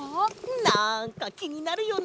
なんかきになるよね